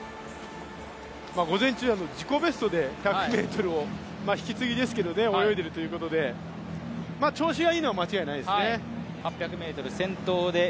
午前中、自己ベストで１００ｍを、引き継ぎですけど泳いでいるということで、調子がいいのは間違いないですね。